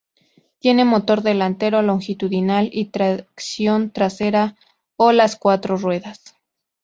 Tiene motor delantero longitudinal y tracción trasera o a las cuatro ruedas.